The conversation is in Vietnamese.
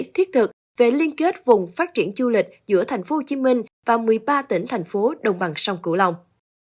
thiết thực về liên kết vùng phát triển du lịch giữa tp hcm và một mươi ba tỉnh thành phố đồng bằng sông cửu long